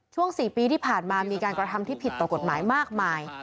๔ปีที่ผ่านมามีการกระทำที่ผิดต่อกฎหมายมากมาย